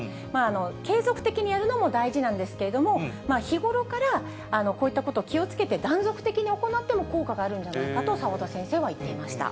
継続的にやるのも大事なんですけれども、日頃からこういったことを気をつけて、断続的に行っても効果があるんではないかと、澤田先生は言っていました。